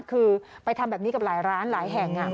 คือไปทำแบบนี้กับหลายร้านหลายแห่ง